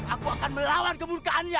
aku akan melawan kemurkaannya